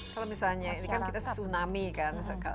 kalau misalnya ini kan kita tsunami kan